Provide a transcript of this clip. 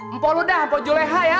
empok lu dah empok juleha ya